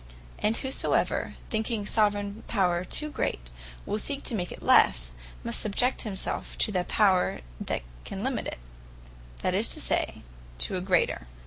And whosoever thinking Soveraign Power too great, will seek to make it lesse; must subject himselfe, to the Power, that can limit it; that is to say, to a greater.